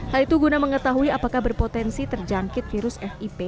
hal itu guna mengetahui apakah berpotensi terjangkit virus fip